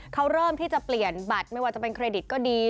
เขาเริ่มที่จะเปลี่ยนบัตรไม่ว่าจะเป็นเครดิตก็ดี